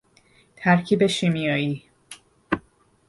ترکیب شیمیایی